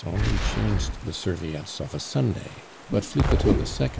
only changed the serviettes of a Sunday; but Flicoteaux II.